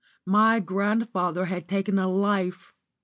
My grandfather had taken a life.